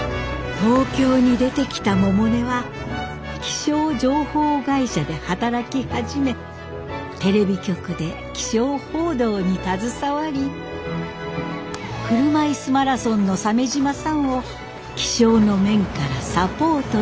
東京に出てきた百音は気象情報会社で働き始めテレビ局で気象報道に携わり車いすマラソンの鮫島さんを気象の面からサポートしたり。